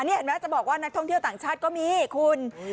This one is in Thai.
นี่เห็นไหมจะบอกว่านักท่องเที่ยวต่างชาติก็มีคุณ